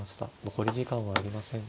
残り時間はありません。